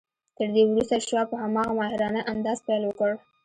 تر دې وروسته شواب په هماغه ماهرانه انداز پیل وکړ